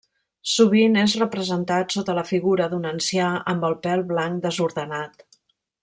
Sovint és representat sota la figura d'un ancià amb el pèl blanc desordenat.